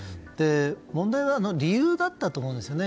問題は理由だったと思うんですよね。